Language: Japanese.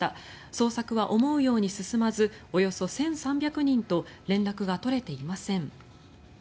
捜索は思うように進まずおよそ１３００人と連絡が取れていません。